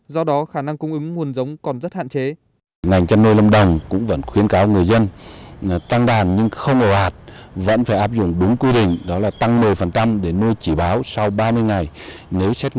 do đó khả năng cung ứng nguồn giống còn rất hạn chế